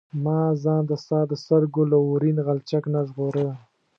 ما ځان د ستا د سترګو له اورین غلچک نه ژغوره.